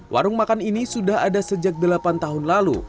warung makan ini sudah ada sejak delapan tahun lalu